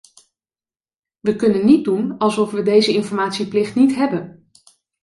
We kunnen niet doen alsof we deze informatieplicht niet hebben.